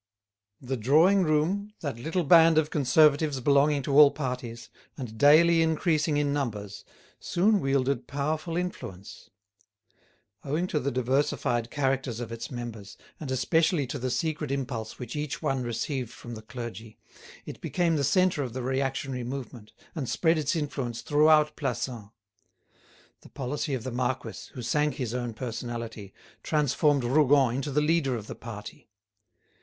The drawing room, that little band of Conservatives belonging to all parties, and daily increasing in numbers, soon wielded powerful influence. Owing to the diversified characters of its members, and especially to the secret impulse which each one received from the clergy, it became the centre of the reactionary movement and spread its influence throughout Plassans. The policy of the marquis, who sank his own personality, transformed Rougon into the leader of the party.